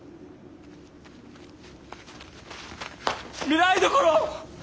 御台所！